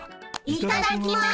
いいただきます。